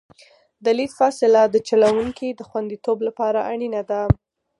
د لید فاصله د چلوونکي د خوندیتوب لپاره اړینه ده